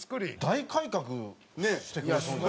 大改革してくれそうな。